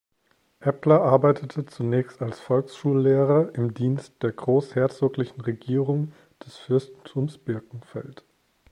Eppler arbeitete zunächst als Volksschullehrer im Dienst der Großherzoglichen Regierung des Fürstentums Birkenfeld.